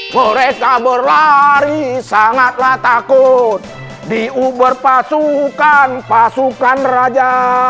mereka berlari sangatlah takut diuber pasukan pasukan raja